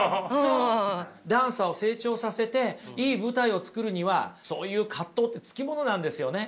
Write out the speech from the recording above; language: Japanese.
ダンサーを成長させていい舞台を作るにはそういう葛藤ってつきものなんですよね。